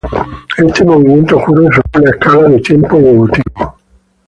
Este movimiento ocurre sobre una escala de tiempo evolutivo.